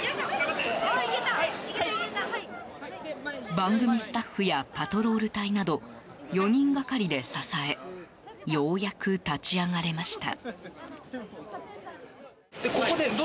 番組スタッフやパトロール隊など４人がかりで支えようやく立ち上がれました。